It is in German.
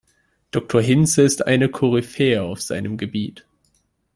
Doktor Hinze ist eine Koryphäe auf seinem Gebiet.